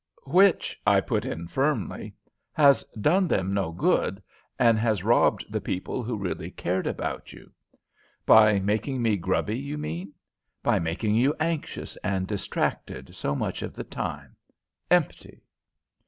"Which," I put in firmly, "has done them no good, and has robbed the people who really cared about you." "By making me grubby, you mean?" "By making you anxious and distracted so much of the time; empty."